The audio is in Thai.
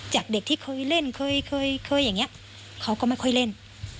จากเด็กที่เคยเล่นเคยเคยอย่างนี้เขาก็ไม่ค่อยเล่น